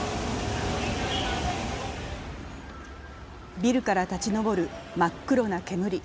ビルから立ち上る、真っ黒な煙。